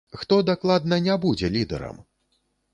Хто дакладна не будзе лідэрам?